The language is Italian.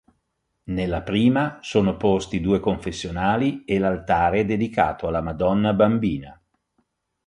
Nella prima sono posti due confessionali e l'altare dedicato alla Madonna Bambina.